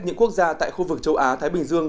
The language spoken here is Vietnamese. những quốc gia tại khu vực châu á thái bình dương